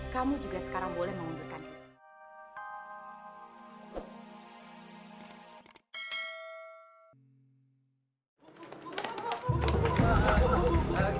kamu juga sekarang boleh mengundurkan ini